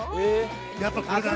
やっぱこれだな。